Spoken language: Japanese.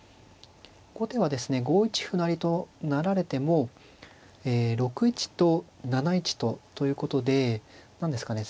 後手はですね５一歩成と成られても６一と７一とということで何ですかね